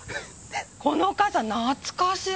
この傘懐かしい。